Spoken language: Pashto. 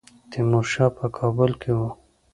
تیمورشاه په کابل کې وو.